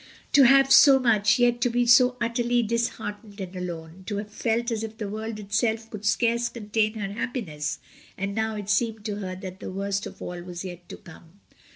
To have so much, yet to be so utterly disheartened and alone; to have felt as if the world itself could scarce contain her hap piness, and now it seemed to her that the worst of all was yet to come.